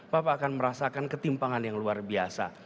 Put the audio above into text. bapak akan merasakan ketimpangan yang luar biasa